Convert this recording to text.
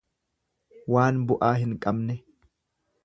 Waan bu'aa hin qabne.